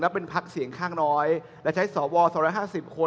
เป็นพักเสียงข้างน้อยและใช้สว๒๕๐คน